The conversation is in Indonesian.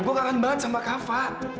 gue kangen banget sama kava